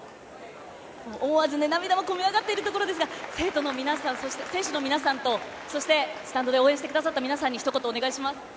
思わず、涙も込み上がってきているところですが選手の皆さんとスタンドで応援してくださった皆さんにひと言お願いします。